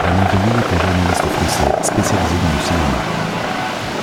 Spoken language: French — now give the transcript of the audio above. Alain Riou est un journaliste français, spécialisé dans le cinéma.